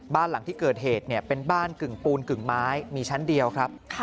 บ้านหลังที่เกิดเหตุเป็นบ้านกึ่งปูนกึ่งไม้มีชั้นเดียวครับ